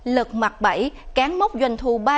lật mặt bẫy cán mốc doanh thu